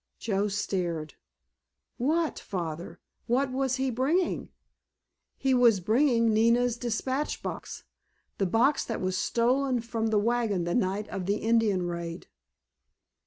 Joe stared. "What, Father? What was he bringing?" "He was bringing Nina's dispatch box. The box that was stolen from the wagon the night of the Indian raid."